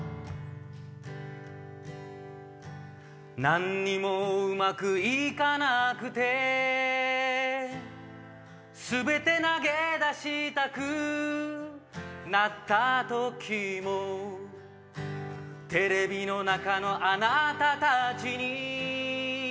何にもうまく行かなくて全て投げ出したくなった時もテレビの中のあなたたちに